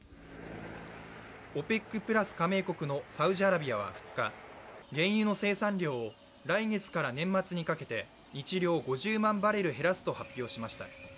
ＯＰＥＣプラス加盟国のサウジアラビアは２日、原油の生産量を来月から年末にかけて日量５０万バレル減らすと発表しました。